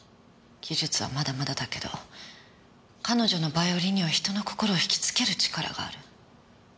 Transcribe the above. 技術はまだまだだけど彼女のヴァイオリンには人の心を引きつける力がある。